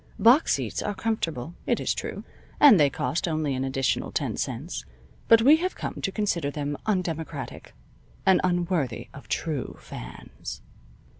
Box seats are comfortable, it is true, and they cost only an additional ten cents, but we have come to consider them undemocratic, and unworthy of true fans.